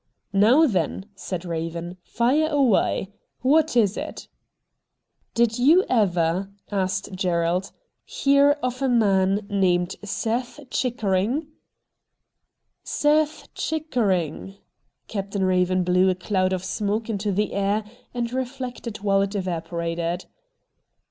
' Now then,' said Eaven, ' fire away. What is it ?' IN THE DOORWAY 89 ' Did you ever,' asked Gerald, ' hear of a man named Setli Chickering ?'* Seth Chickering !' Captain Raven blew a cloud of smoke into the air and reflected while it evaporated.